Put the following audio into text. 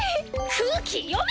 空気読め！